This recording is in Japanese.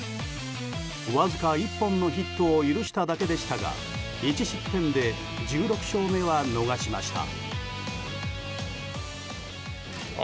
わずか１本のヒットを許しただけですが１失点で１６勝目は逃しました。